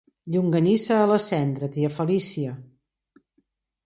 Llonganissa a la cendra, tia Felícia!